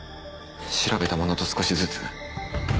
調べたものと少しずつ。